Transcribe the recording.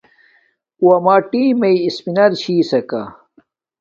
اُݸ امݳ ٹݵمݵئ اِسپِنَر چھݵسَکݳ.